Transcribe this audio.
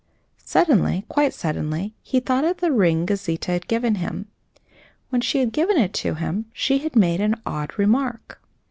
Suddenly, quite suddenly, he thought of the ring Gauzita had given him. When she had given it to him she had made an odd remark.